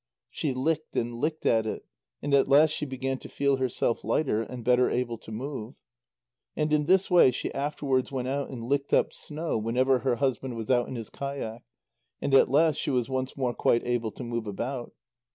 She licked and licked at it, and at last she began to feel herself lighter, and better able to move. And in this way she afterwards went out and licked up snow whenever her husband was out in his kayak, and at last she was once more quite able to move about.